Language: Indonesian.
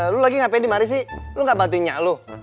lu nggak bantuin nyak lu